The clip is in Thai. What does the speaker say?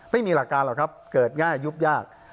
ไม่มีหลักการหรอกครับเกิดง่ายยุบยาก